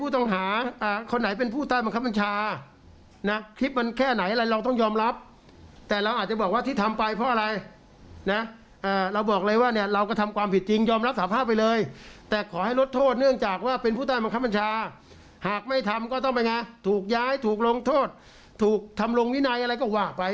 ถูกเด้งถูกย้ายถูกการแกล้งอะไรก็ว่าไป